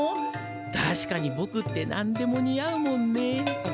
たしかにぼくってなんでもに合うもんね。